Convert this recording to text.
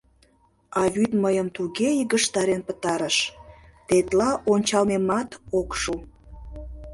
А вӱд мыйым туге йыгыжтарен пытарыш — тетла ончалмемат ок шу.